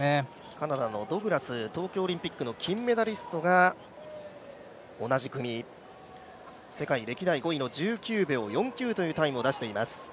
カナダのドグラス、東京オリンピックの金メダリストが同じ組、世界第２位の１９秒４９というタイムを出しています。